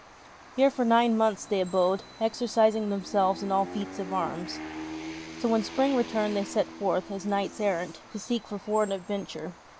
Here for nine months they abode, exercising themselves in all feats of arms. So when spring returned they set forth, as knights errant, to seek for foreign adventure.